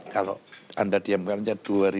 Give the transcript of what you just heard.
kalau anda diamkan aja